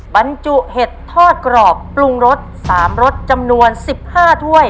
บรรจุเห็ดทอดกรอบปรุงรสสามรสจำนวนสิบห้าถ้วย